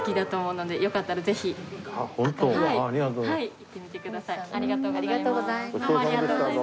はい。